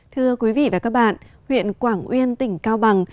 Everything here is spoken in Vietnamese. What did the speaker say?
thưa quý vị và các bạn huyện quảng uyên tỉnh cao bằng